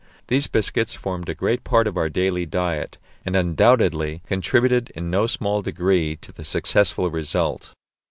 These biscuits formed a great part of our daily diet, and undoubtedly contributed in no small degree to the successful result.